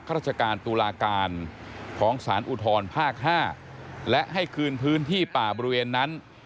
ราชการตุลาการของสารอุทธรภาค๕และให้คืนพื้นที่ป่าบริเวณนั้น